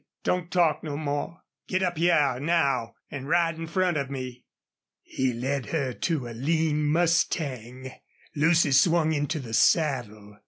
"Don't talk no more.... Git up hyar now an' ride in front of me." He led her to a lean mustang. Lucy swung into the saddle.